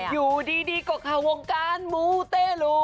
อยู่ดีก็เข้าวงการมูเตลู